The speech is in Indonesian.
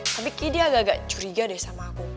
tapi kayaknya dia agak agak curiga deh sama aku